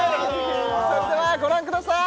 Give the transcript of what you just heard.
それではご覧ください